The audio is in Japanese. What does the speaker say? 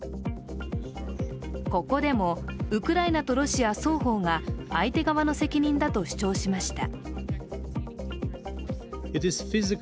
ここでもウクライナとロシア双方が相手側の責任だと主張しました。